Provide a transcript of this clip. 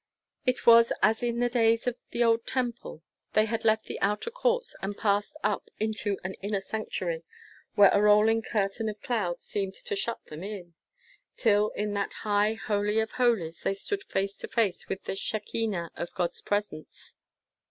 It was as in the days of the old temple. They had left the outer courts and passed up into an inner sanctuary, where a rolling curtain of cloud seemed to shut them in, till in that high Holy of Holies they stood face to face with the Shekinah of God's presence.